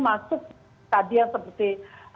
masuk tadi yang seperti